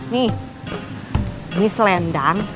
nih miss lendang